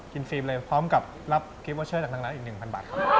กินฟีล์มเลยพร้อมกับรับคลิปว่าเชิญจากทางร้านอีก๑๐๐๐บาท